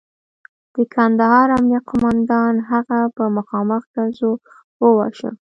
د کندهار امنیه قوماندان هغه په مخامخ ډزو وواژه.